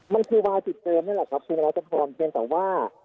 มันคือวาจุดเดิมนั่นแหละครับคุณรัชพรเพียงแต่ว่า